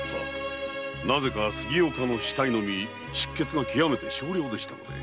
なぜか杉岡の死体のみ出血がきわめて少量でした。